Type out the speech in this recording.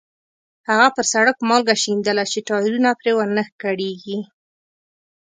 هغه پر سړک مالګه شیندله چې ټایرونه پرې ونه کړېږي.